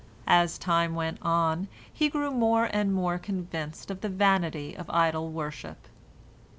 As time went on, he grew more and more convinced of the vanity of idol worship.